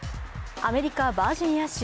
アメリカ・バージニア州。